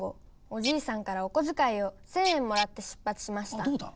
おじいさんからおこづかいを１，０００円もらって出発しました。